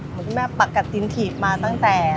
คุณแม่ปกตินถีบมาตั้งแต่